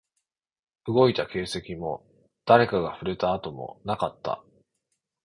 動いた形跡も、誰かが触れた跡もなかった